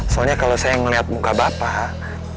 soalnya kalau saya melihat muka bapak